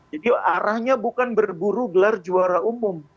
jadi arahnya bukan berburu gelar juara umum